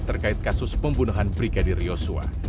terkait kasus pembunuhan brigadir yosua